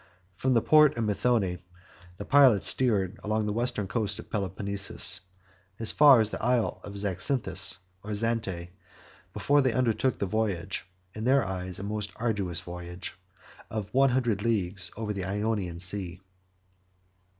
From the port of Methone, the pilots steered along the western coast of Peloponnesus, as far as the Isle of Zacynthus, or Zante, before they undertook the voyage (in their eyes a most arduous voyage) of one hundred leagues over the Ionian Sea.